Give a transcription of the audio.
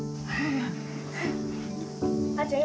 ・あーちゃん